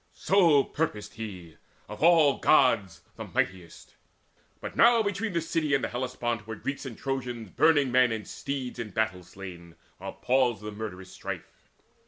So purposed he, of all Gods mightiest. But now between the city and Hellespont Were Greeks and Trojans burning men and steeds In battle slain, while paused the murderous strife.